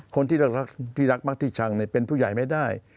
คนที่รักมากที่ชังเป็นผู้ใหญ่ไม่ได้